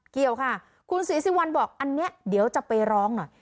เกี่ยวค่ะคุณศรีสุวรรณบอกอันนี้เดี๋ยวจะไปร้องหน่อย